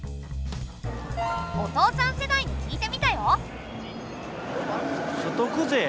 お父さん世代に聞いてみたよ。